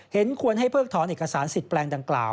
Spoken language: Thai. เห็นควรให้เพิกถอนเอกสารสิทธิแปลงดังกล่าว